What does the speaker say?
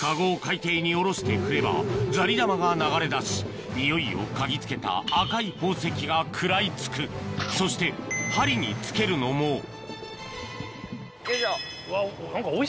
カゴを海底に下ろして振ればザリ玉が流れだし匂いを嗅ぎつけた赤い宝石が食らい付くそして針に付けるのもよいしょ。